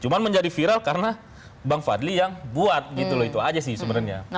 cuma menjadi viral karena bang fadli yang buat gitu loh itu aja sih sebenarnya